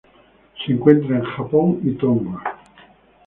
Se encuentra en Japón y Tonga.